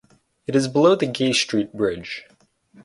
It is below the Gay Street Bridge.